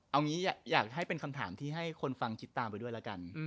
เอางี้อยากให้เป็นคำถามที่ให้คนฟังคิดตามไปด้วยแล้วกัน